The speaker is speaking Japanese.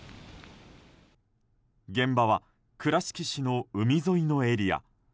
現場は倉敷市の海沿いのエリア。